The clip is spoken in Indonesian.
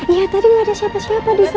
iya tadi gak ada siapa siapa disana